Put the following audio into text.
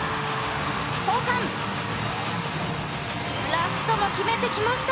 ラストも決めてきました。